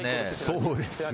そうですね。